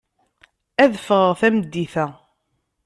Ad ffɣeɣ tameddit-a.